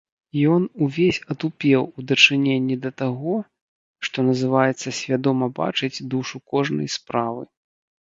Ён увесь атупеў у дачыненні да таго, што называецца свядома бачыць душу кожнай справы.